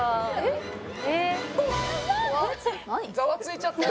ざわついちゃってる。